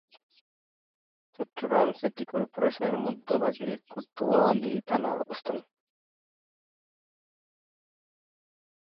Chittagong city কর্পোরেশনের মধ্যভাগে কোতোয়ালী থানার অবস্থান।